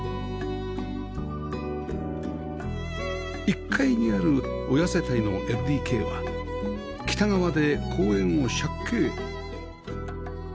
１階にある親世帯の ＬＤＫ は北側で公園を借景